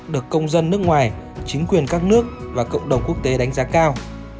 được công dân nước ngoài chính quyền các nước và cộng đồng quốc tế đánh giá cao